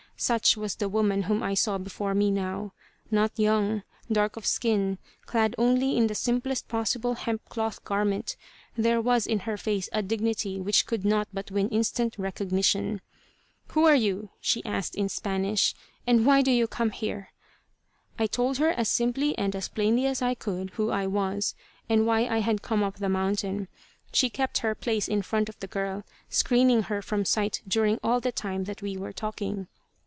Such was the woman whom I saw before me now. Not young; dark of skin, clad only in the simplest possible hemp cloth garment, there was in her face a dignity which could not but win instant recognition. "Who are you?" she asked in Spanish. "And why do you come here?" I told her as simply and as plainly as I could, who I was, and why I had come up the mountain. She kept her place in front of the girl, screening her from sight during all the time that we were talking.